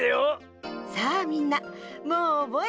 さあみんなもうおぼえたかしら？